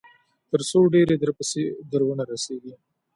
تر څو ډبرې درپسې در ونه رسېږي.